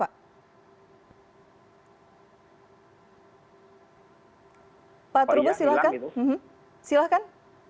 pak turbos silahkan